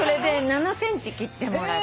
７ｃｍ切ってもらった。